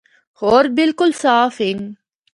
ہور بالکل صاف ہن۔